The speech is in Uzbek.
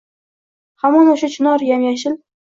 Hamon o’sha chinor — yam-yashil